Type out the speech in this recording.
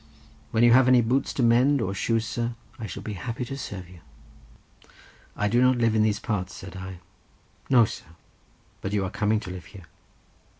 When you have any boots to mend, or shoes, sir—I shall be happy to serve you." "I do not live in these parts," said I. "No, sir; but you are coming to live here."